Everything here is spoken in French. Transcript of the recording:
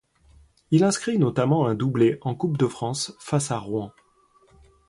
Il inscrit notamment un doublé en Coupe de France face à Rouen.